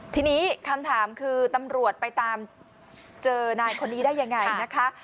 ทีนี้คำถามคือตำรวจไปตามเจอนายคนนี้ได้ยังไงนะคะ